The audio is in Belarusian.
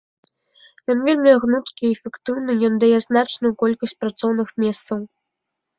Ён вельмі гнуткі і эфектыўны, ён дае значную колькасць працоўных месцаў.